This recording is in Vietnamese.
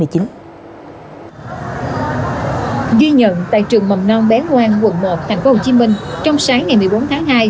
ghi nhận tại trường mầm non bé ngoan quận một tp hcm trong sáng ngày một mươi bốn tháng hai